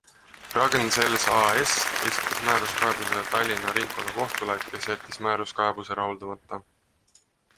Ragn-Sells AS esitas määruskaebuse Tallinna ringkonnakohtule, kes jättis määruskaebuse rahuldamata.